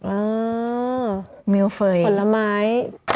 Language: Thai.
อ่าผลไม้